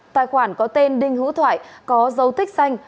tài khoản có tên đinh hữu thoại có dấu tích xanh